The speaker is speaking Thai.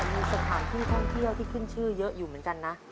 มีสถานที่ท่องเที่ยวที่ขึ้นชื่อเยอะอยู่เหมือนกันนะ